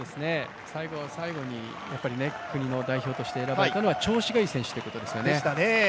最後の最後に国の代表として選ばれた選手というのは、調子がいい選手ということですね。